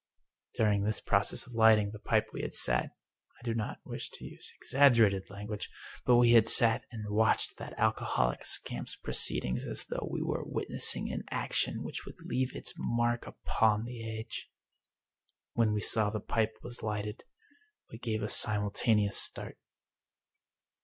During this process of lighting the pipe we had sat — I do not wish to use exaggerated language, but we had sat and watched that alcoholic scamp's proceedings as though we were witnessing an action which would leave its mark upon the age. When we saw the pipe was lighted we gave a simultaneous start.